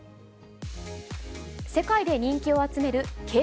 世界で人気を集めるＫ−ＰＯＰ。